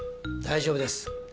大丈夫です。